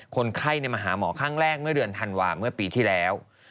คนไข้มาหาหมอครั้งแรกเมื่อเดือนธันวาเมื่อปีที่แล้ว